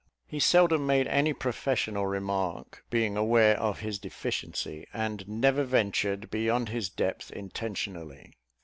He seldom made any professional remark, being aware of his deficiency, and never ventured beyond his depth intentionally.